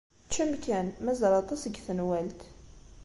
Ččem kan. Mazal aṭas deg tenwalt.